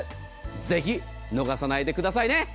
ぜひ、逃さないでくださいね。